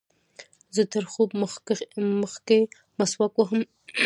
زه تر خوب مخکښي مسواک وهم.